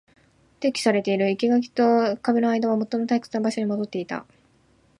撤去されている。生垣と壁の間はもとの退屈な場所に戻っていた。